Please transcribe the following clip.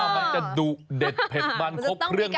มันจะดุเด็ดแผดมันครบครีเอิญแน่